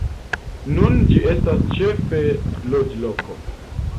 Nun ĝi estas ĉefe loĝloko.